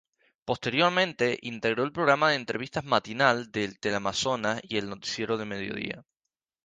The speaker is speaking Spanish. Posteriormente integró el programa de entrevistas matinal de Teleamazonas y el noticiero del mediodía..